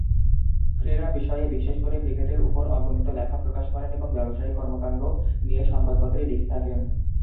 ক্রীড়া বিষয়ে বিশেষ করে ক্রিকেটের উপর অগণিত লেখা প্রকাশ করেন ও ব্যবসায়িক কর্মকাণ্ড নিয়ে সংবাদপত্রে লিখে থাকেন।